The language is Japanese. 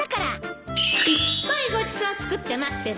いっぱいごちそう作って待ってるわ！